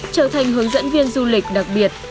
trở thành hướng dẫn viên du lịch đặc biệt